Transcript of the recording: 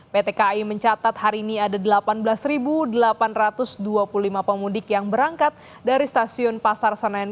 pt kai mencatat hari ini ada delapan belas delapan ratus dua puluh lima pemudik yang berangkat dari stasiun pasar senen